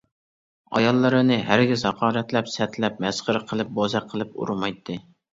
ئاياللىرىنى ھەرگىز ھاقارەتلەپ، سەتلەپ، مەسخىرە قىلىپ، بوزەك قىلىپ ئۇرمايتتى.